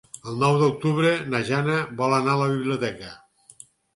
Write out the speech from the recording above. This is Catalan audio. El nou d'octubre na Jana vol anar a la biblioteca.